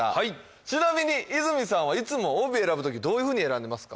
ちなみに和泉さんはいつも帯選ぶときどういうふうに選んでますか？